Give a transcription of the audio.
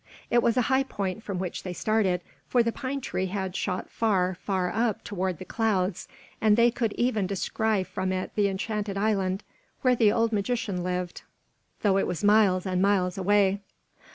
It was a high point from which they started, for the pine tree had shot far, far up toward the clouds, and they could even descry from it the enchanted island where the old magician lived, though it was miles and miles away.